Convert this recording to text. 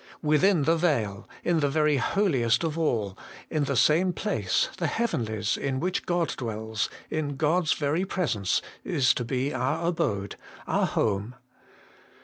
Within the veil, in the very Holiest of all, in the same place, the heavenlies, in which God dwells, in God's very Presence, is to be our abode our home.